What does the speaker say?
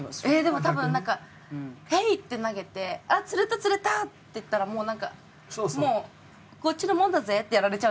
でも多分なんかえい！って投げて釣れた釣れた！っていったらもうなんかもうこっちのもんだぜってやられちゃうじゃないですか。